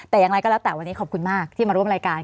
แต่อย่างไรก็แล้วแต่วันนี้ขอบคุณมากที่มาร่วมรายการ